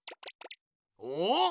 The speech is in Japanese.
おっ！